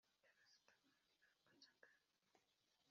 ikaba igomba guterana hakurikijwe uburyo bwagenwe